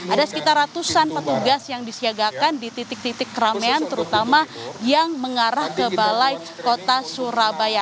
ada sekitar ratusan petugas yang disiagakan di titik titik keramaian terutama yang mengarah ke balai kota surabaya